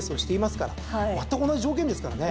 まったく同じ条件ですからね。